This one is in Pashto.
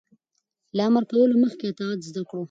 - له امر کولو مخکې اطاعت زده کړه.